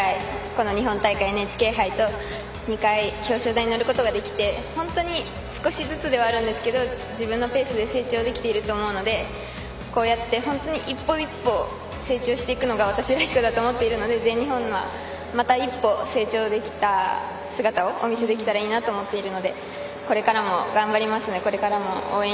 この日本大会、ＮＨＫ杯と２回表彰台に乗ることができて本当に少しずつではあるんですけど自分のペースで成長できていると思うのでこうやって、本当に一歩一歩成長していくのが私らしさだと思うので全日本はまた一歩成長できた姿をお見せできたらいいなと思っているのでこれからも頑張りますので応援